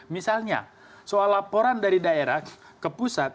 misalnya soal laporan dari daerah ke pusat